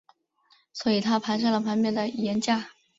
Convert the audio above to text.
所以他爬上了旁边的岩架。